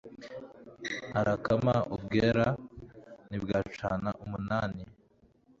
Arakama u Bweru Ntibwacana umunani,